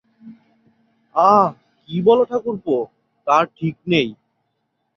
আঃ, কী বল ঠাকুরপো, তার ঠিক নেই।